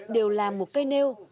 đều làm một cây nêu